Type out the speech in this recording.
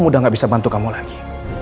udah gak bisa bantu kamu lagi